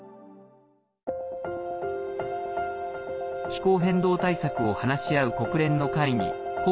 気候変動対策を話し合う国連の会議